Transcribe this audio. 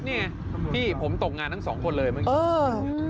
นี่ไงพี่ผมตกงานทั้งสองคนเลยเมื่อกี้